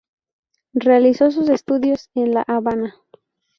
Realizó sus estudios en la Habana.